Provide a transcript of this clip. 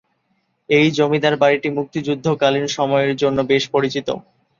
এই জমিদার বাড়িটি মুক্তিযুদ্ধকালীন সময়ের জন্য বেশ পরিচিত।